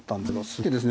そうですね。